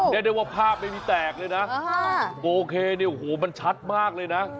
ได้โดยว่าภาพไม่มีแตกเลยนะโฟโครเนี้ยมันชัดมากเลยนะ